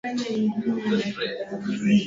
alikuwa amekauka na akaanza kufanya utabiri